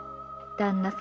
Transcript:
「旦那様。